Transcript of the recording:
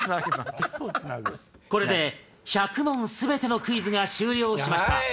これで１００問全てのクイズが終了しました。